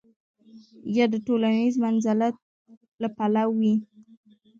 یا د ټولنیز منزلت له پلوه وي.